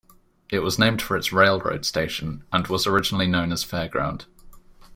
It was named for its railroad station, and was originally known as "Fairground".